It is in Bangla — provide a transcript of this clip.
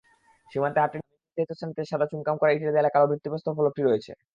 সীমান্ত হাটের নির্ধারিত স্থানটিতে সাদা চুনকাম করা ইটের দেয়ালে কালো ভিত্তিপ্রস্তর ফলকটি রয়েছে।